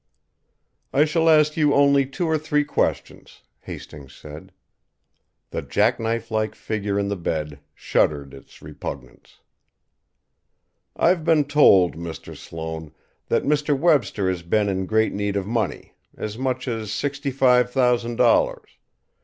"I shall ask you only two or three questions," Hastings said. The jackknife like figure in the bed shuddered its repugnance. "I've been told, Mr. Sloane, that Mr. Webster has been in great need of money, as much as sixty five thousand dollars.